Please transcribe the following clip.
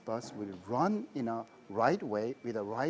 bus ini akan berjalan dengan cara yang tepat